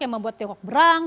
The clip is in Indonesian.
yang membuat tiongkok berang